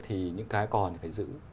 thì những cái còn thì phải giữ